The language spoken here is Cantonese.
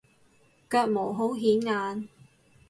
腳毛好顯眼